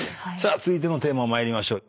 続いてのテーマ参りましょう。